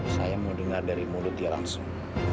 saya mau dengar dari mulut dia langsung